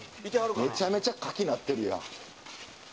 めちゃくちゃ柿なってるやん。